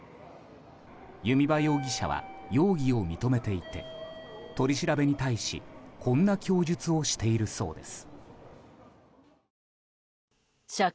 弓場容疑者は容疑を認めていて取り調べに対しこんな供述をしているそうです。